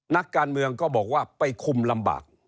นักการเมืองก็บอกว่าไปคุมลำบาก